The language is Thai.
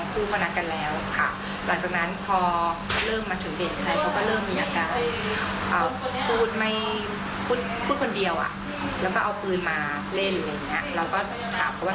พูดมาถึงไปที่ปรับครับ